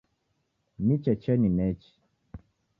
Ni checheni nechi